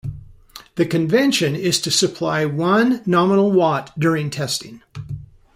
The convention is to supply one nominal watt during testing.